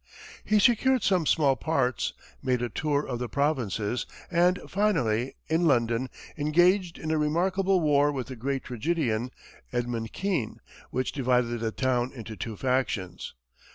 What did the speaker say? He secured some small parts, made a tour of the provinces, and finally, in London, engaged in a remarkable war with the great tragedian, Edmund Kean, which divided the town into two factions.